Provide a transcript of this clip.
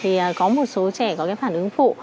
thì có một số trẻ có cái phản ứng phụ